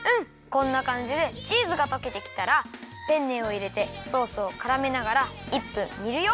こんなかんじでチーズがとけてきたらペンネをいれてソースをからめながら１分にるよ。